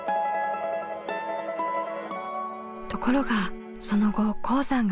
ところがその後鉱山が閉鎖。